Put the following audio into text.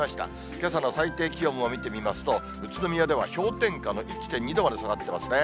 けさの最低気温を見てみますと、宇都宮では氷点下の１．２度まで下がってますね。